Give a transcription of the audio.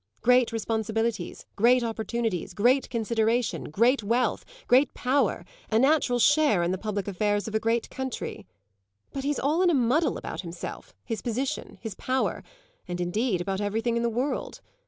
Great responsibilities, great opportunities, great consideration, great wealth, great power, a natural share in the public affairs of a great country. But he's all in a muddle about himself, his position, his power, and indeed about everything in the world.